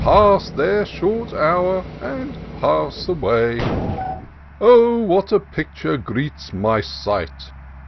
Pass their short hour, and pass away. Oh, what a picture greets my sight